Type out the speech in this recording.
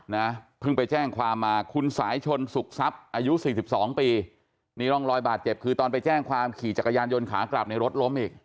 นะเพิ่งไปแจ้งความมาคุณสายชนสุขทรัพย์อายุสี่สิบสองปีนี่ร่องรอยบาดเจ็บคือตอนไปแจ้งความขี่จักรยานยนต์ขากลับในรถล้มอีก